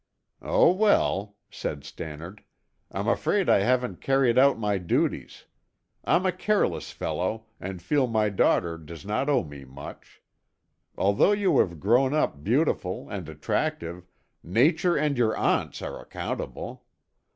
"Oh, well," said Stannard. "I'm afraid I haven't carried out my duties. I'm a careless fellow and feel my daughter does not owe me much. Although you have grown up beautiful and attractive, Nature and your aunts are accountable.